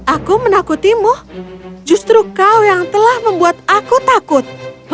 aku menakutimu justru kau yang telah membuat aku takut